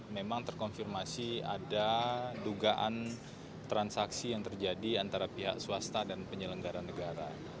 memang terkonfirmasi ada dugaan transaksi yang terjadi antara pihak swasta dan penyelenggara negara